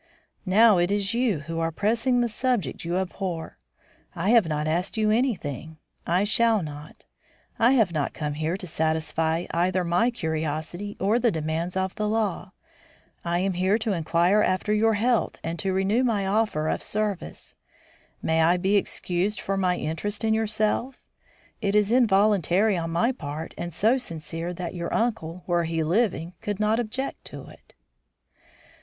"Now it is you who are pressing the subject you abhor. I have not asked you anything; I shall not. I have not come here to satisfy either my curiosity or the demands of the law. I am here to inquire after your health and to renew my offer of service. May I be excused for my interest in yourself? It is involuntary on my part and so sincere that your uncle, were he living, could not object to it."